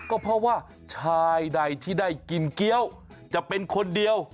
ก็เพราะว่าชายใดที่ได้กินเกี้ยวจะเป็นคนเดียว